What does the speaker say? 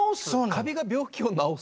カビが病気を治す？